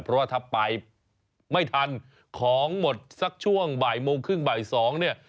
เพราะว่าถ้าไปไม่ทันของหมดสักช่วงบ่ายโมงครึ่งบ่าย๒เนี่ย